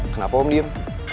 kenapa om diem